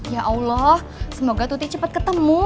ya allah semoga tuti cepat ketemu